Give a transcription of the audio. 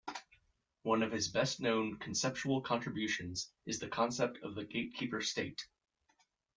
One of his best known conceptual contributions is the concept of the gatekeeper state.